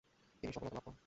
তিনি সফলতা লাভ করেন।